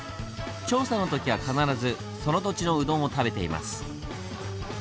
調査の時は必ずその土地のうどんを食べています。